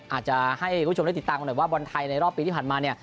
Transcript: อาจจะให้คุณผู้ชมได้ติดตามกันหน่อยว่าบอลไทยในรอบปีที่ผ่านมาเนี่ย